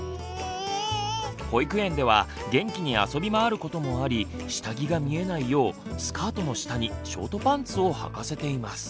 保育園では元気に遊び回ることもあり下着が見えないようスカートの下にショートパンツをはかせています。